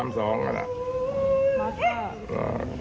มาสเตอร์เป็นพระราม